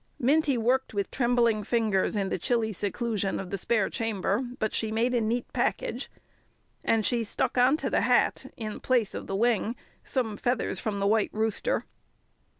Minty worked with trembling fingers in the chilly seclusion of the spare chamber, but she made a neat package. And she stuck on to the hat in place of the wing some feathers from the white rooster.